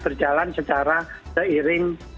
berjalan secara seiring